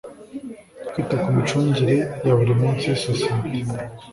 Kwita ku micungire ya buri munsi y’isosiyete